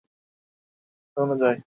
যেকোনো গতিশীল পদার্থকে বাধা দিয়ে থামানো যায়।